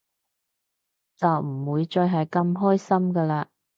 就唔會再係咁開心㗎喇